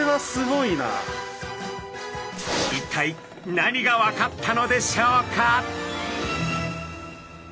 一体何が分かったのでしょうか？